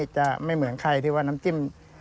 จะไม่เหมือนใครที่ว่าน้ำจิ้ม